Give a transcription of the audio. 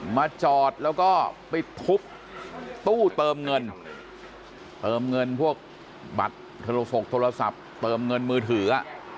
มาจอดแล้วก็ไปทุบตู้เติมเงินเติมเงินพวกบัตรโทรศกโทรศัพท์เติมเงินมือถือ